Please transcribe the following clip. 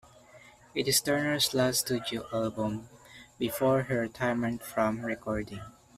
It is Turner's last studio album, before her retirement from recording.